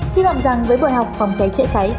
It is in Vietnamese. khi bảo rằng với bộ học phòng cháy trễ cháy